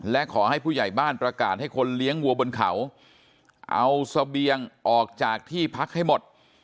และขอให้ผู้ใหญ่บ้านประกาศให้คนเลี้ยงวัวบนเขาเอาเสบียงออกจากที่พักให้หมด